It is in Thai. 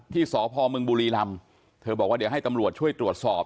ที่สพมบุรีลำเธอบอกว่าเดี๋ยวให้ตำรวจช่วยตรวจสอบ